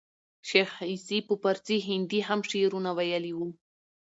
شېخ عیسي په پاړسي هندي هم شعرونه ویلي وو.